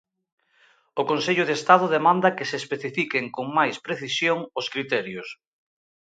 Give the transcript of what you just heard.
O Consello de Estado demanda que se especifiquen con máis precisión os criterios.